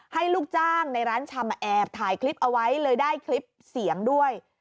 ลูกจ้างในร้านชำแอบถ่ายคลิปเอาไว้เลยได้คลิปเสียงด้วย